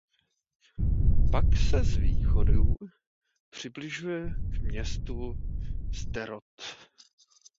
Pak se z východu přibližuje k městu Sderot.